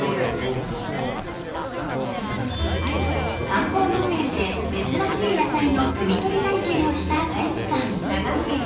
［観光農園で珍しい野菜の摘み取り体験をした太一さん］